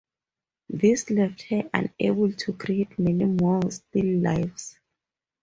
This left her unable to create many more still lifes.